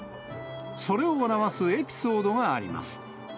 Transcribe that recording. それを表すエピソードがあります。